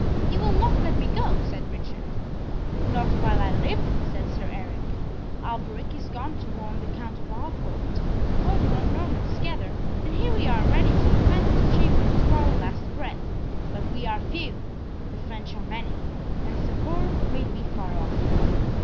"You will not let me go?" said Richard. "Not while I live," said Sir Eric. "Alberic is gone to warn the Count of Harcourt, to call the Normans together, and here we are ready to defend this chamber to our last breath, but we are few, the French are many, and succour may be far off."